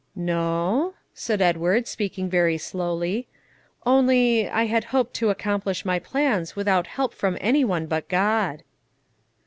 "No," said Edward, speaking very slowly; "only, I had hoped to accomplish my plans without help from any one but God."